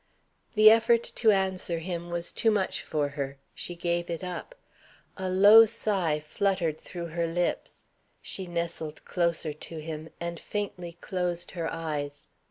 The effort to answer him was too much for her. She gave it up. A low sigh fluttered through her lips. She nestled closer to him, and faintly closed her eyes.